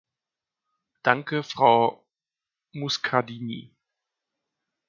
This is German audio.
Danke, Frau Muscardini.